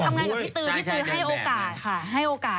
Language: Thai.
ทำงานกับพี่ตือพี่ตือให้โอกาส